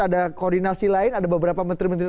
ada koordinasi lain ada beberapa menteri menteri